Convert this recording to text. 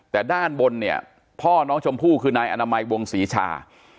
แต่ด้านบนเนี่ยพ่อน้องชมพู่คือนายอนามัยวงศรีชา